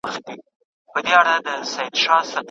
د ښوونکو د ستونزو د اورېدو لپاره ځانګړې ورځې نه وي.